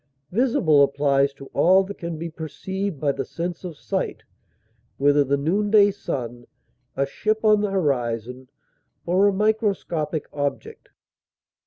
Visible applies to all that can be perceived by the sense of sight, whether the noonday sun, a ship on the horizon, or a microscopic object.